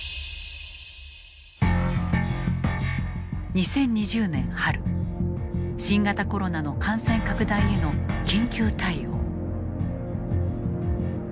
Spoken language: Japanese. ２０２０年春新型コロナの感染拡大への緊急対応。